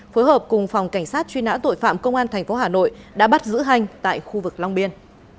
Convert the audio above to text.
phối hợp cùng phòng cảnh sát truy nã tội phạm công an thành phố hà nội đã bắt giữ hanh tại khu vực long biên